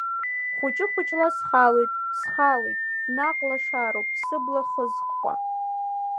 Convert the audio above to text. Хәыҷы-хәыҷла схалоит, схалоит, наҟ лашароуп, сыбла хызхуа.